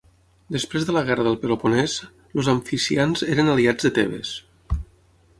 Després de la Guerra del Peloponès, els Amfissians eren aliats de Tebes.